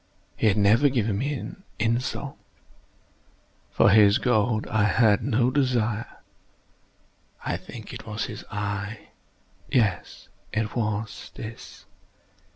He had never given me insult. For his gold I had no desire. I think it was his eye! yes, it was this!